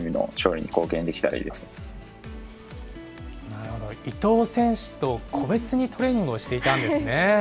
なるほど、伊東選手と個別にトレーニングをしていたんですね。